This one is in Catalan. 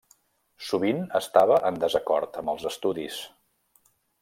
Sovint estava en desacord amb els estudis.